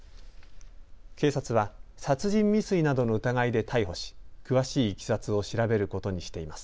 警察は殺人未遂などの疑いで逮捕し、詳しいいきさつを調べることにしています。